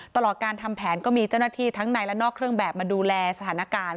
ตลอดการทำแผนก็มีเจ้าหน้าที่ทั้งในและนอกเครื่องแบบมาดูแลสถานการณ์